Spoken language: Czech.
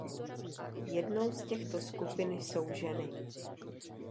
Jednou z těchto skupin jsou ženy.